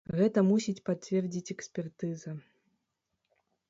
Гэта мусіць пацвердзіць экспертыза.